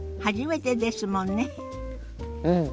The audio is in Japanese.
うん。